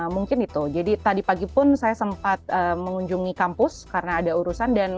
mungkin itu jadi tadi pagi pun saya sempat mengunjungi kampus karena ada urusan dan